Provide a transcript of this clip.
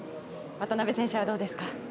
渡辺選手はどうですか。